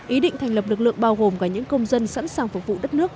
ý định thành lập lực lượng bao gồm cả những công dân sẵn sàng phục vụ đất nước